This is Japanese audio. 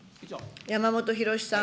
山本博司さん。